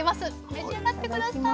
召し上がって下さい。